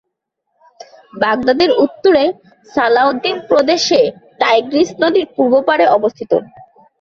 বাগদাদের উত্তরে সালাহউদ্দিন প্রদেশে টাইগ্রিস নদীর পূর্ব পাড়ে অবস্থিত।